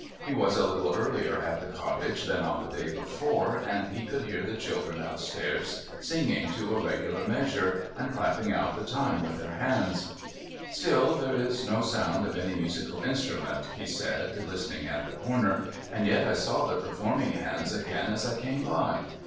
He was a little earlier at the cottage than on the day before, and he could hear the children up stairs singing to a regular measure, and clapi)ing out the time with their hands. ' Still, there is no sound of any musical instrument,' he said, listening at the corner, ' and yet I saw the performing hands again as I came by.